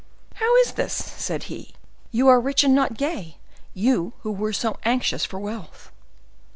"How is this?" said he, "you are rich and not gay—you, who were so anxious for wealth!"